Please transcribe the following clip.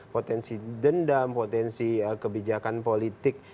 potensi dendam potensi kebijakan politik